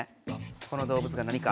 この動物が何か。